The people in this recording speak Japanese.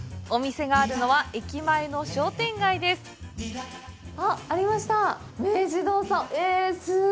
お店があるのは駅前の商店街です。